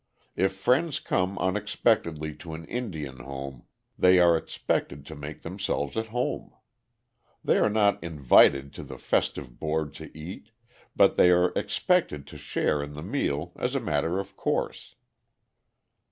If friends come unexpectedly to an Indian home, they are expected to make themselves at home. They are not invited to the "festive board" to eat, but they are expected to share in the meal as a matter of course.